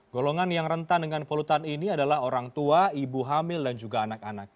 golongan yang rentan dengan polutan ini adalah orang tua ibu hamil dan juga anak anak